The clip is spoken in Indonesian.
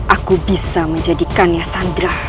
aku bisa menjadikannya sandra